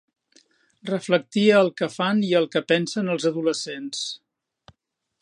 Reflectia el que fan i el que pensen els adolescents.